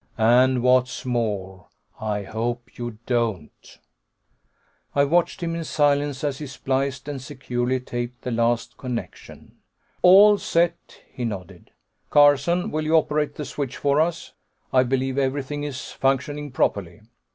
"And what's more, I hope you don't." I watched him in silence as he spliced and securely taped the last connection. "All set," he nodded. "Carson, will you operate the switch for us? I believe everything is functioning properly."